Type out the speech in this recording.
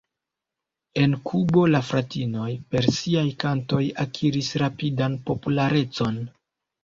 En Kubo la fratinoj per siaj kantoj akiris rapidan popularecon.